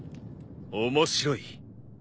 面白い。